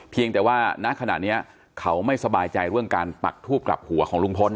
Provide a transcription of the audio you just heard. เพียงแต่ว่าณขณะนี้เขาไม่สบายใจเรื่องการปักทูบกลับหัวของลุงพล